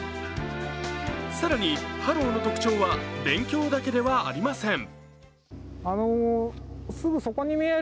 更にハロウの特徴は勉強だけではありません。